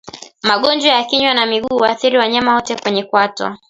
Magonjwa ya kinywa na miguu huathiri wanyama wote wenye kwato